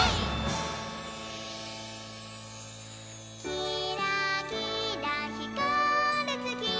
「きらきらひかるつき